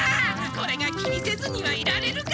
これが気にせずにはいられるか！